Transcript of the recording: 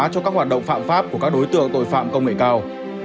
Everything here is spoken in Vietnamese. cho các hoạt động phạm pháp của các đối tượng tội phạm công nghệ cao